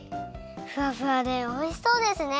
ふわふわでおいしそうですね！